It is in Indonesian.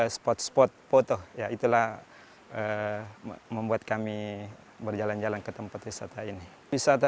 spot spot foto yaitulah membuat kami berjalan jalan ke tempat wisata ini bisa